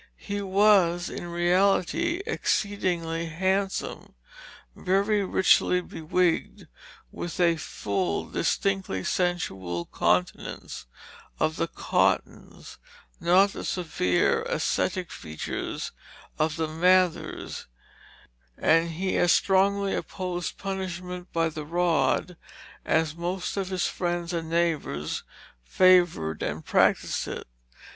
He was in reality exceedingly handsome, very richly bewigged, with the full, distinctly sensual countenance of the Cottons, not the severe ascetic features of the Mathers, and he as strongly opposed punishment by the rod as most of his friends and neighbors favored and practised it.